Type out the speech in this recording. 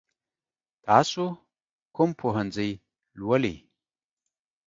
تاسو کوم پوهنځی لولئ؟